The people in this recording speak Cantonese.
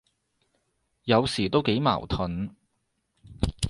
有時都幾矛盾，